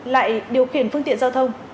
lại điều khiển phương tiện giao thông